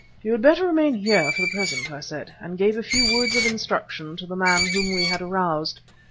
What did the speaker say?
"You had better remain here for the present," I said, and gave a few words of instruction to the man whom we had aroused.